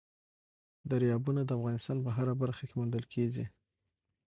دریابونه د افغانستان په هره برخه کې موندل کېږي.